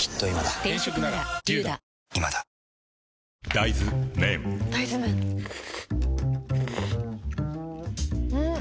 大豆麺ん？